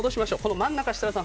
真ん中を設楽さん